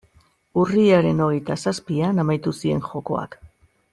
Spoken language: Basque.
Urriaren hogeita zazpian amaitu ziren jokoak.